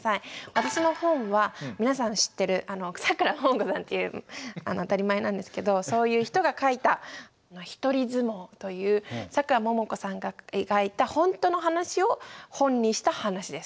私の本は皆さん知ってるあのさくらももこさんっていう当たり前なんですけどそういう人が書いた「ひとりずもう」というさくらももこさんが描いたほんとの話を本にした話です。